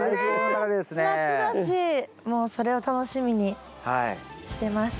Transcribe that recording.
夏だしもうそれを楽しみにしてます。